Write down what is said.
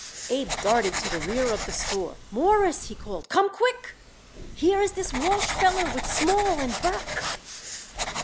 Abe darted to the rear of the store. "Mawruss," he called, "come quick! Here is this Walsh feller with Small and Burke."